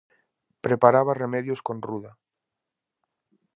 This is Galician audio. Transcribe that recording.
Preparaba remedios con ruda.